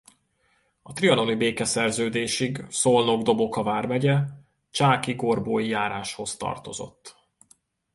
A trianoni békeszerződésig Szolnok-Doboka vármegye Csákigorbói járásához tartozott.